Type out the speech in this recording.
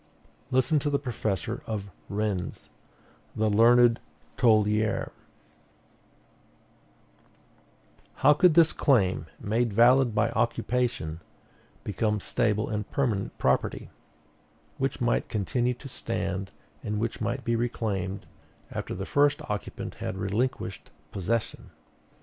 Listen to the professor of Rennes, the learned Toullier: "How could this claim, made valid by occupation, become stable and permanent property, which might continue to stand, and which might be reclaimed after the first occupant had relinquished possession?